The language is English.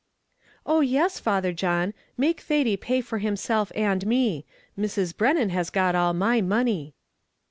"Oh, yes, Father John; make Thady pay for himself and me; Mrs. Brennan has got all my money."